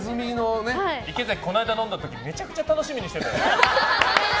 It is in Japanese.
池崎、この間飲んだ時めちゃくちゃ楽しみにしてた。